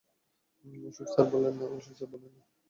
Ashok sir, বলেন না।